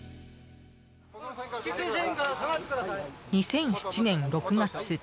２００７年６月。